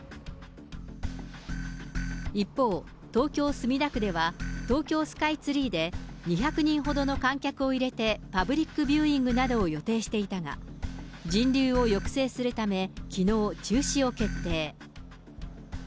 一方、東京・墨田区では、東京スカイツリーで２００人ほどの観客を入れて、パブリックビューイングなどを予定していたが、人流を抑制するため、きのう、中止を決定。